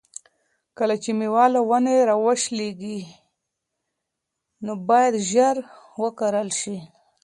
کله چې مېوه له ونې را وشلیږي نو باید ژر وکارول شي.